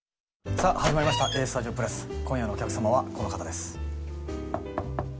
さあ始まりましたＡＳＴＵＤＩＯ＋今夜のお客様はこの方です